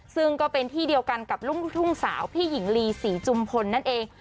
ซึ่งก็เป็นที่เดียวกันกับลูกทุ่งสาวพี่หญิงลีศรีจุมพลนั่นเอง